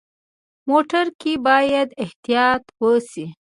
موټر کې باید احتیاط وشي.